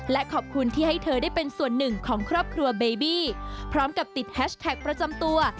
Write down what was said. และขอบคุณที่ให้เธอได้เป็นส่วนหนึ่งของครอบครัวเบบี้พร้อมกับติดแฮชแท็กประจำตัว